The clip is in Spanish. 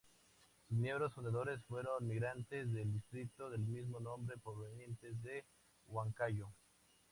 Sus miembros fundadores fueron migrantes del distrito del mismo nombre, provenientes de Huancayo.